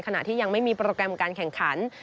ที่ยังไม่มีโปรแกรมการแข่งขัน